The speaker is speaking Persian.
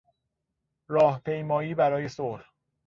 راهپیمایی برای صلح